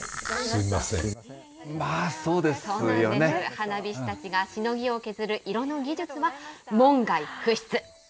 花火師たちが凌ぎを削る色の技術は、門外不出。